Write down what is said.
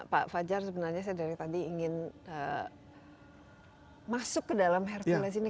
pak fajar sebenarnya saya dari tadi ingin masuk ke dalam hercules ini